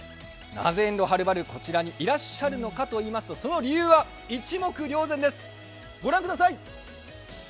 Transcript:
なぜはるばる、こちらにいらっしゃるのかといいますと、その理由は一目瞭然です、御覧ください。